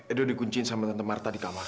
edo dikuncin sama tante marta di kamar